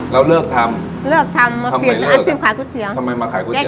แล้วเลิกทำเลิกทำทำไมเลิกอาจจะขายก๋วยเตี๋ยวทำไมมาขายก๋วยเตี๋ยว